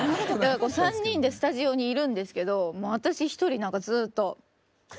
３人でスタジオにいるんですけどもう私一人なんかずっと。